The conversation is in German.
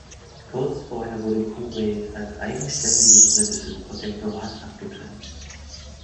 Kurz vorher wurde Kuwait als eigenständiges britisches Protektorat abgetrennt.